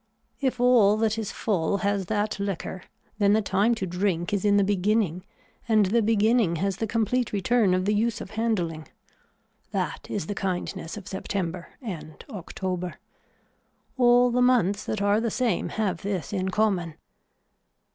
If all that is full has that liquor then the time to drink is in the beginning and the beginning has the complete return of the use of handling. That is the kindness of September and October. All the months that are the same have this in common.